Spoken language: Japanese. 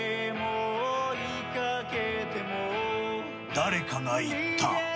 誰かが言った。